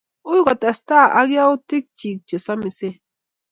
Ui kotestai ak yautik chik che somisen.